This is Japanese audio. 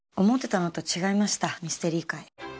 思ってたのと違いましたミステリー会。